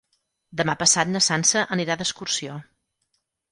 Demà passat na Sança anirà d'excursió.